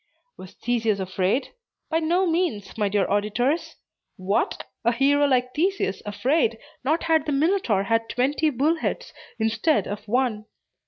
Was Theseus afraid? By no means, my dear auditors. What! a hero like Theseus afraid! Not had the Minotaur had twenty bull heads instead of one.